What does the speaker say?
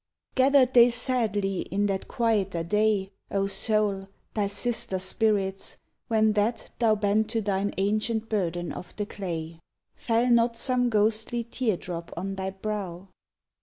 Gathered they sadly in that quieter day, O soul! thy sister spirits, when that thou Bent to thine ancient burden of the clay? Fell not some ghostly tear drop on thy brow?